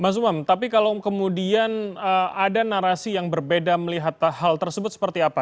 mas umam tapi kalau kemudian ada narasi yang berbeda melihat hal tersebut seperti apa